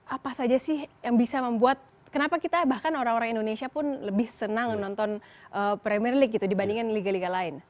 apa saja sih yang bisa membuat kenapa kita bahkan orang orang indonesia pun lebih senang menonton premier league gitu dibandingkan liga liga lain